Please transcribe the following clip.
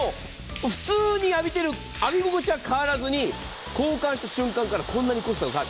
普通に浴びてる浴び心地は変わらずに、交換するとこんなにコストが変わる。